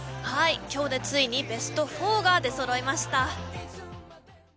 今日でついにベスト４が出そろいました。